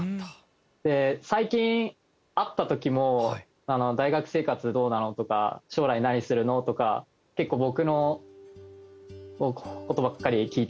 最近会った時も「大学生活どうなの？」とか「将来何するの？」とか結構僕の事ばっかり聞いてきました。